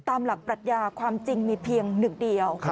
ตามหลักปรัชญาความจริงมีเพียงหนึ่งเดียว